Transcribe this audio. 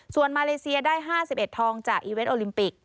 ส่วนมาเลเซียได้๕๑ทองจากอีเวนต์โอลิมปิก